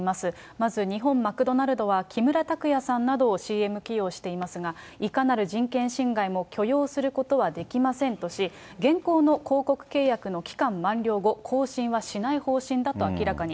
まず日本マクドナルドは、木村拓哉さんなどをＣＭ起用していますが、いかなる人権侵害も許容することはできませんとし、現行の広告契約の期間満了後、更新はしない方針だと明らかに。